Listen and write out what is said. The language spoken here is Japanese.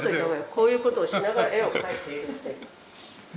こういうことをしながら絵を描いているって。